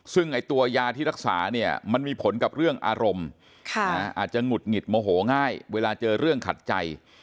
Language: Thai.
ซึ่งไอ้ตัวยาที่รักษาเนี่ยมันมีผลกับเรื่องอารมณ์อาจจะหงุดหงิดโมโหง่ายเวลาเจอเรื่องขัดใจ